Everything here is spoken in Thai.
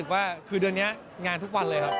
ว่าคือเดือนนี้งานทุกวันเลยครับ